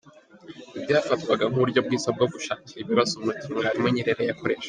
Ibi byafatwaga nk’uburyo bwiza bwo gushakira ibibazo umuti, Mwalimu Nyerere yakoreshaga.